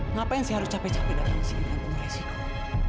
ngapain saya harus capek capek datang ke sini dan punya resiko